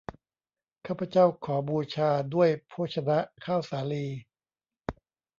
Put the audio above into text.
ข้าพเจ้าขอบูชาด้วยโภชนะข้าวสาลี